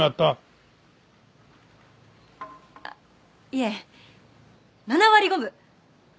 あっいえ７割５分。